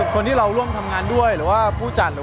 คนที่เราร่วมทำงานด้วยหรือว่าผู้จัด